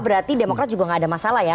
berarti demokrat juga nggak ada masalah ya